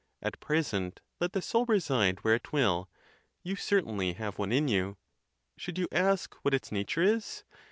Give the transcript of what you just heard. At pres ent, let the soul reside where it will, you certainly have one in you. Should you ask what its nature is?